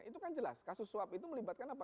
itu kan jelas kasus suap itu melibatkan apa